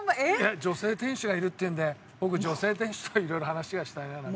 女性店主がいるっていうんで僕女性店主といろいろ話がしたいななんて。